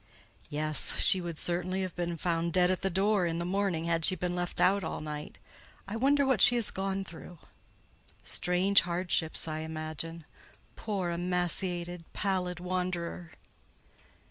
"Yes; she would certainly have been found dead at the door in the morning had she been left out all night. I wonder what she has gone through?" "Strange hardships, I imagine—poor, emaciated, pallid wanderer!"